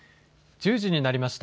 １０時になりました。